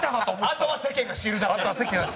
あとは世間が知るだけ。